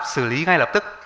xử lý ngay lập tức